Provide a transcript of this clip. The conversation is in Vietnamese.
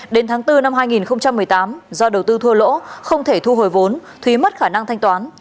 đến tháng bốn năm hai nghìn một mươi tám do đầu tư thua lỗ không thể thu hồi vốn thúy mất khả năng thanh toán